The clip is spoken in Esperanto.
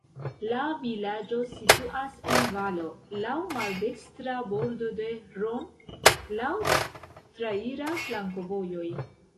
La vilaĝo situas en valo, laŭ maldekstra bordo de Hron, laŭ traira flankovojoj.